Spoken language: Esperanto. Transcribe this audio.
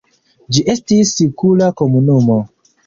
Ĝi estis sikula komunumo.